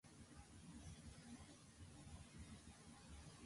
The caret is also now used to indicate a superscript in TeX typesetting.